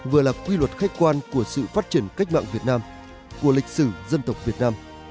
vừa là quy luật khách quan của sự phát triển cách mạng việt nam của lịch sử dân tộc việt nam